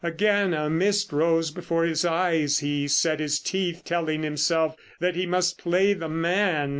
Again a mist rose before his eyes. He set his teeth, telling himself that he must play the man.